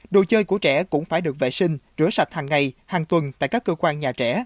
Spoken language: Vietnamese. đồ chơi của trẻ cũng phải được vệ sinh rửa sạch hàng ngày hàng tuần tại các cơ quan nhà trẻ